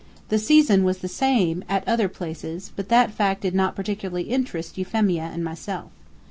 The season was the same at other places, but that fact did not particularly interest Euphemia and myself.